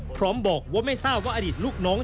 พร้อมบอกว่าไม่ทราบว่าอดีตลูกน้อง